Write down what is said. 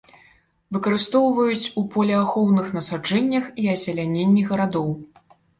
Выкарыстоўваюць у полеахоўных насаджэннях і азеляненні гарадоў.